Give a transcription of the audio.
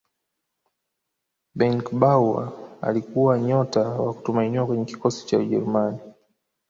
beckenbauer alikuwa nyota wa kutumainiwa kwenye kikosi cha ujerumani